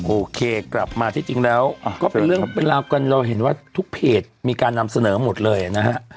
โอเคกลับมาที่จริงแล้วก็เป็นเรื่องเป็นราวกันเราเห็นว่าทุกเพจมีการนำเสนอหมดเลยนะฮะ